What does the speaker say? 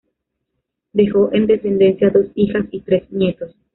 Dejó en descendencia dos hijas y tres nietos.